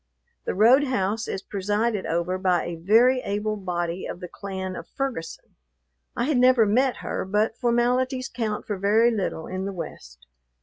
The roadhouse is presided over by a very able body of the clan of Ferguson. I had never met her, but formalities count for very little in the West.